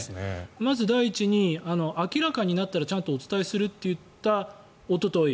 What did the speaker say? まず第一に明らかになったらちゃんとお伝えすると言ったおととい。